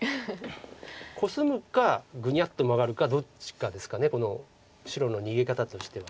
コスむかグニャッとマガるかどっちかですかこの白の逃げ方としては。